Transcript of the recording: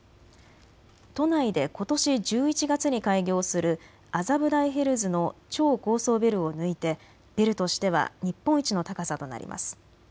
都内でことし１１月に開業する麻布台ヒルズの超高層ビルを抜いてビルとしては日本一の高さとなります。